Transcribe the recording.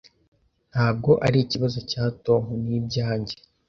Ntabwo ari ikibazo cya Tom. Ni ibyanjye.